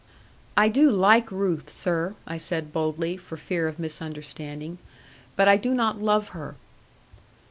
'I do like Ruth, sir,' I said boldly, for fear of misunderstanding; 'but I do not love her.'